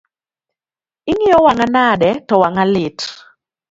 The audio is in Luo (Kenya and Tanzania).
Ing’iyo wang’a nade to wang'a lit?